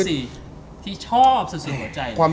ฟิลบาร์ฟ